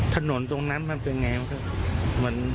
ถนนตรงนั้นมันวายแม้วะครับ